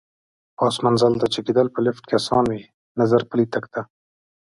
پاس منزل ته جګېدل په لېفټ کې اسان وي، نظر پلي تګ ته.